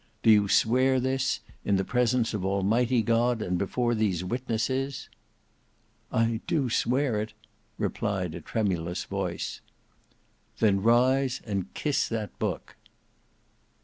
Do you swear this in the presence of Almighty God and before these witnesses?" "I do swear it," replied a tremulous voice. "Then rise and kiss that book."